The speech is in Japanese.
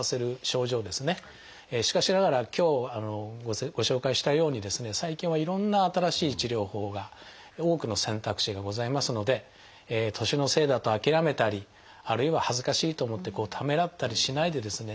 しかしながら今日ご紹介したようにですね最近はいろんな新しい治療法が多くの選択肢がございますので年のせいだと諦めたりあるいは恥ずかしいと思ってためらったりしないでですね